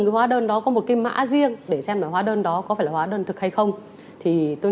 hóa đơn đó có một cái mã riêng để xem lại hóa đơn đó có phải là hóa đơn thực hay không thì tôi